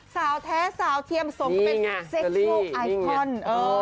สาวแท้สาวเที่ยมสมก็เป็นเซ็กซูอิคอนด์